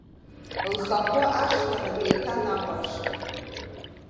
Лхахәы ашлара деиҭанахәаԥшит.